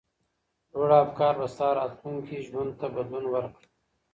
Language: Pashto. لوړ افکار به ستا راتلونکي ژوند ته بدلون ورکړي.